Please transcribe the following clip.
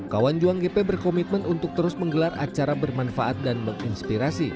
kawan juang gp berkomitmen untuk terus menggelar acara bermanfaat dan menginspirasi